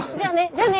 じゃあね。